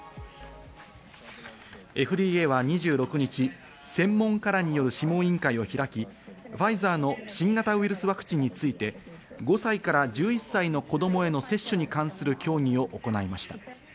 ＦＤＡは２６日、専門家らによる諮問委員会を開き、ファイザーの新型ウイルスワクチンについて、５歳から１１歳の子供への接種に関する協議を行いました。